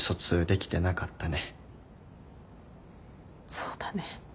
そうだね。